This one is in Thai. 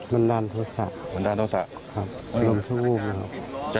บรรดาโนธสะ